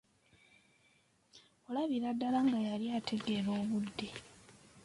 Olabira ddala nga yali ategeera obudde.